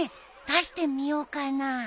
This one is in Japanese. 出してみようかな。